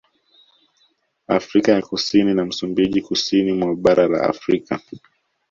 Afrika ya Kusini na Msumbiji Kusini mwa Bara la Afrika